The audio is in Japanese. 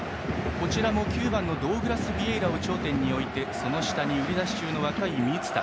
こちらも９番のドウグラス・ヴィエイラを頂点に置いてその下に売り出し中の若い満田。